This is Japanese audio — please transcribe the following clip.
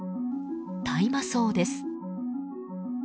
大麻草です。